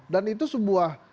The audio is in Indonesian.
dan itu sebuah